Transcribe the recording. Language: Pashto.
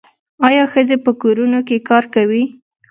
آیا ښځې په کورونو کې کار کوي؟